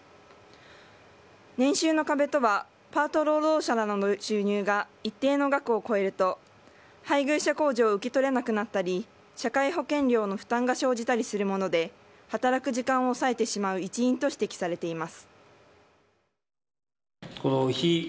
年収の壁とはパート労働者などの収入が一定の額を超えると配偶者控除を受け取れなくなったり社会保険料の負担が生じたりするもので働く時間を削いでしまう一因と指摘されています。